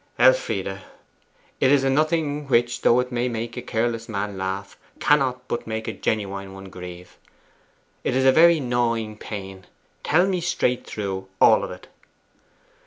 'Elfride, it is a nothing which, though it may make a careless man laugh, cannot but make a genuine one grieve. It is a very gnawing pain. Tell me straight through all of it.